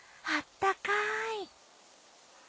あったかい。